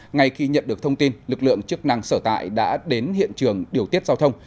ngay khi nhận được thông tin lực lượng chức năng sở tại đã đến hiện trường điều tiết giao thông